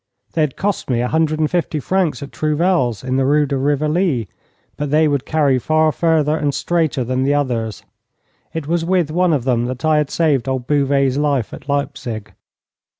They had cost me a hundred and fifty francs at Trouvel's, in the Rue de Rivoli, but they would carry far further and straighter than the others. It was with one of them that I had saved old Bouvet's life at Leipzig.